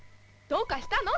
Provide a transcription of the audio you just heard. どうかしたの？